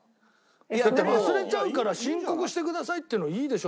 だって忘れちゃうから申告してくださいっていうのいいでしょ？